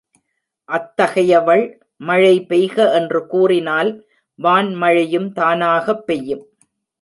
அத்தகையவள் மழை பெய்க என்று கூறினால் வான்மழையும் தானாகப் பெய்யும்.